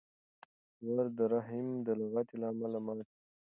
ور د رحیم د لغتې له امله مات شو.